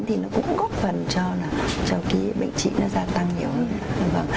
thì nó cũng góp phần cho cái bệnh trĩ nó gia tăng nhiều hơn